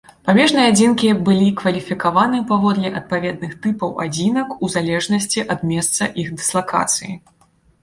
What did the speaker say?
Памежныя адзінкі былі кваліфікаваны паводле адпаведных тыпаў адзінак у залежнасці ад месца іх дыслакацыі.